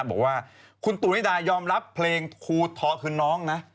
บอกว่าคุณตูนที่ดายอมรับเพลงคืนน้องนะ